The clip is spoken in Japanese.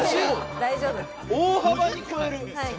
大丈夫。